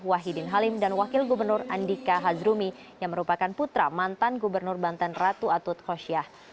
wahidin halim dan wakil gubernur andika hazrumi yang merupakan putra mantan gubernur banten ratu atut khosyah